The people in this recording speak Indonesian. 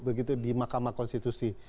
begitu di mahkamah konstitusi